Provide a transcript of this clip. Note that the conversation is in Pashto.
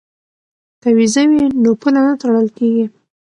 که ویزه وي نو پوله نه تړل کیږي.